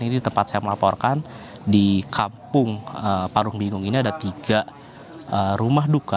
ini tempat saya melaporkan di kampung parung biru ini ada tiga rumah duka